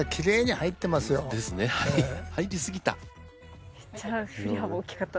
入り過ぎた。